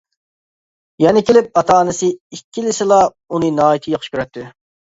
يەنە كېلىپ ئاتا-ئانىسى ئىككىلىسىلا ئۇنى ناھايىتى ياخشى كۆرەتتى.